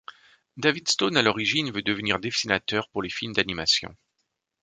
David Stone à l'origine veut devenir dessinateur pour les films d'animation.